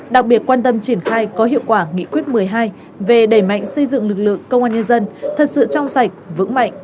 đặc biệt quan tâm triển khai có hiệu quả nghị quyết một mươi hai về đẩy mạnh xây dựng lực lượng công an nhân dân thật sự trong sạch vững mạnh